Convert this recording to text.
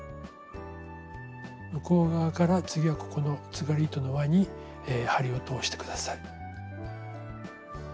向こう側から次はここのつがり糸の輪に針を通して下さい。